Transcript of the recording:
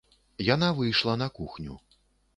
Яна выйшла на кухню.